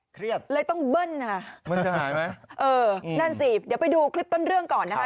เครียดเลยต้องเบิ้ลนะครับเออนั่นสิเดี๋ยวไปดูคลิปต้นเรื่องก่อนนะครับ